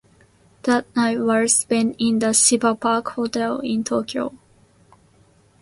That night was spent in the Shiba Park Hotel in Tokyo.